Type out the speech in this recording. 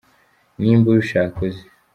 nimba ubishaka uze